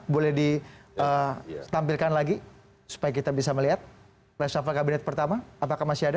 boleh ditampilkan lagi supaya kita bisa melihat reshuffle kabinet pertama apakah masih ada